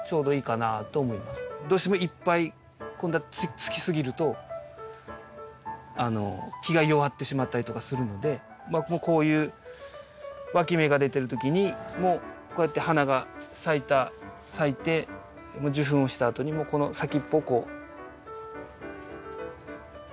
どうしてもいっぱい今度はつき過ぎると木が弱ってしまったりとかするのでまあこういうわき芽が出てる時にもこうやって花が咲いて受粉をしたあとにもこの先っぽをこう。